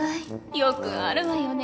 よくあるわよね。